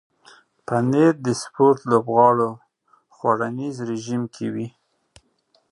پنېر د سپورت لوبغاړو خوړنیز رژیم کې وي.